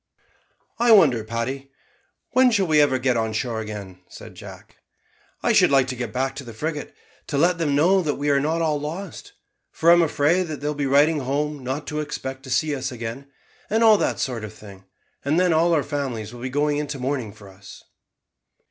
"I wonder, Paddy, when we shall ever get on shore again," said Jack. "I should like to get back to the frigate, to let them know that we are not all lost; for I'm afraid that they will be writing home not to expect to see us again, and all that sort of thing; and then all our families will be going into mourning for us."